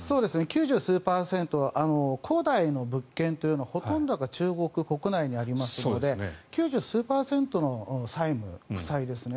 ９０数パーセントは恒大の物件というのはほとんどが中国国内にありますので９０数パーセントの債務、負債ですね